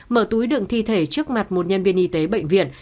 mở túi đường thi thể trước mặt một nhân viên y tế bệnh viện